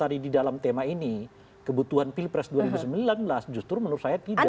jadi ini di dalam tema ini kebutuhan pilpres dua ribu sembilan belas justru menurut saya tidak